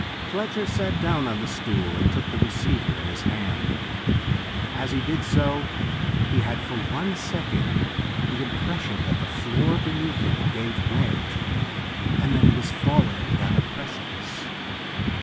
Fletcher sat down on the stool and took the receiver in his hand. As he did so he had for one second the impression that the floor underneath him gave way and that he was falling down a precipice.